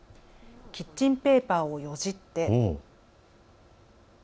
キッチンペーパーをよじって。